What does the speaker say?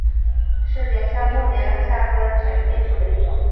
是帘蛤目帘蛤科浅蜊属的一种。